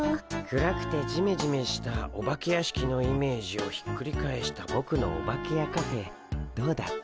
暗くてジメジメしたお化け屋敷のイメージをひっくり返したボクのオバケやカフェどうだった？